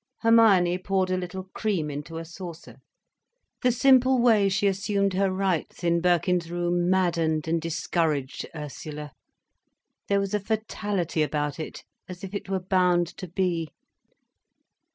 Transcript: Hermione poured a little cream into a saucer. The simple way she assumed her rights in Birkin's room maddened and discouraged Ursula. There was a fatality about it, as if it were bound to be.